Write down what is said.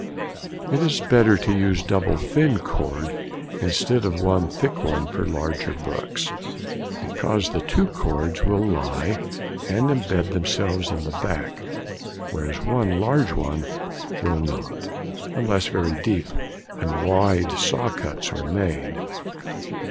It is better to use double thin cord instead of one thick one for large books, because the two cords will lie and imbed themselves in the back, whereas one large one will not, unless very deep and wide saw cuts be made.